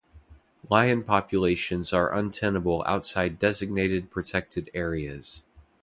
Lion populations are untenable outside designated protected areas.